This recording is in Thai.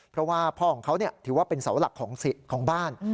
เพราะว่าพ่อของเขาถือว่าเป็นเสาหลักของบ้าน